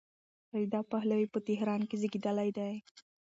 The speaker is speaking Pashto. رضا پهلوي په تهران کې زېږېدلی دی.